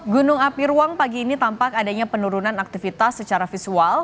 gunung api ruang pagi ini tampak adanya penurunan aktivitas secara visual